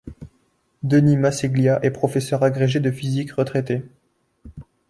Denis Masseglia est professeur agrégé de physique retraité.